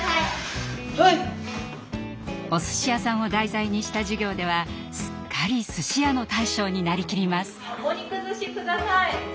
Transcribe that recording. おすし屋さんを題材にした授業ではすっかりすし屋の大将になりきります。